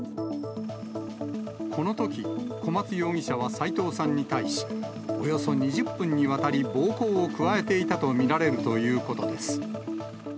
このとき、小松容疑者は斎藤さんに対し、およそ２０分にわたり暴行を加えていたと見られるということです。